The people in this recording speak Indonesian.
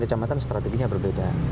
kecamatan strateginya berbeda